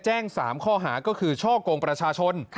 แจ้ง๓ข้อหาก็คือช่อกงประชาชน